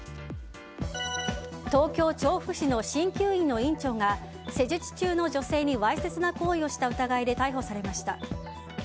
東京・調布市の鍼灸院の院長が施術中の女性にわいせつな行為をした疑いで逮捕されました。